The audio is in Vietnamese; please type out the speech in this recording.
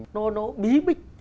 nó bí mịch